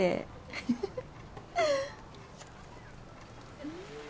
フフフフ。